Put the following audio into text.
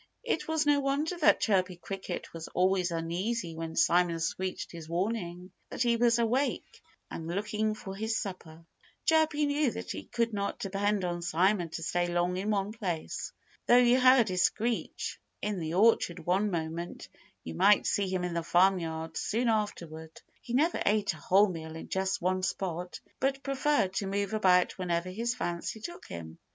It was no wonder that Chirpy Cricket was always uneasy when Simon screeched his warning that he was awake and looking for his supper. Chirpy knew that he could not depend on Simon to stay long in one place. Though you heard his screech in the orchard one moment, you might see him in the farmyard soon afterward. He never ate a whole meal in just one spot, but preferred to move about wherever his fancy took him.